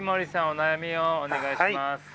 お悩みをお願いします。